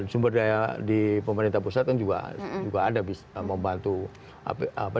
sumber daya di pemerintah pusat kan juga ada